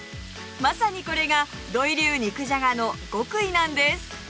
まさにこれが土井流肉じゃがの極意なんです